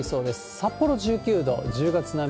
札幌１９度、１０月並み。